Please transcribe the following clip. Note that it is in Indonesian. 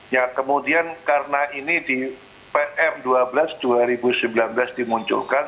ya kemudian karena ini di pm dua belas dua ribu sembilan belas dimunculkan